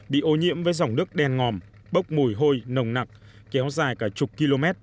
bị ô nhiễm với dòng nước đen ngòm bốc mùi hôi nồng nặc kéo dài cả chục km